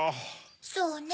そうね。